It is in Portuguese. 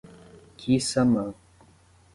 Quissamã